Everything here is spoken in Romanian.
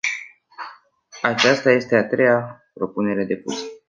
Aceasta este a treia propunere depusă.